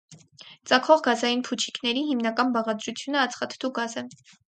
Ծագող գազային փուչիկների հիմնական բաղադրությունը ածխաթթու գազ է։